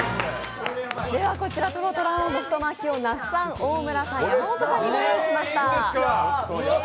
こちらトロと卵黄の太巻きを那須さん、大村さん、山本さんにご用意しました